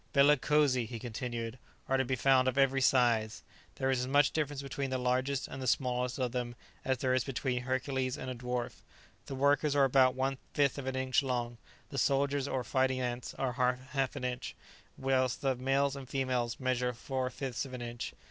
"Bellicosi," he continued, "are to be found of every size. There is as much difference between the largest and the smallest of them as there is between Hercules and a dwarf; the workers are about one fifth of an inch long; the soldiers, or fighting ants, are half an inch; whilst the males and females measure four fifths of an inch.